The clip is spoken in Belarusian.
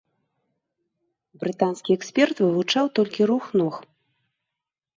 Брытанскі эксперт вывучаў толькі рух ног.